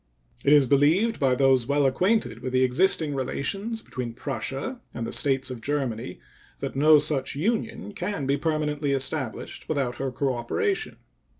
It is believed by those well acquainted with the existing relations between Prussia and the States of Germany that no such union can be permanently established without her cooperation.